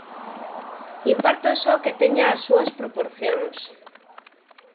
importa só que teña as súas proporcións.